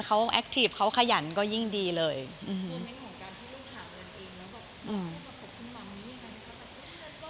เขาแอคทีฟเขาขยันก็ยิ่งดีเลยอืมคือเป็นของการให้ลูกหาเงินเองแล้ว